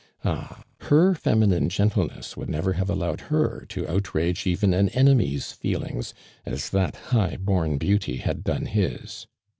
Ah ! her feminine gentleness would never have allowed her to outrage even an enemy's feelings as that high bom beauty had done his.